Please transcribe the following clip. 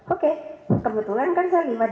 oke kebetulan kan saya lihat